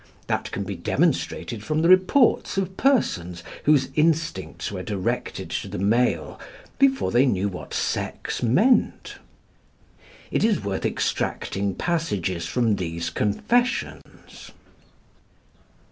That can be demonstrated from the reports of persons whose instincts were directed to the male before they knew what sex meant. It is worth extracting passages from these confessions.